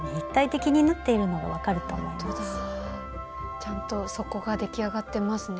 ちゃんと底が出来上がってますね